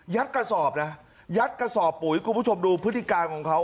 กระสอบนะยัดกระสอบปุ๋ยคุณผู้ชมดูพฤติการของเขา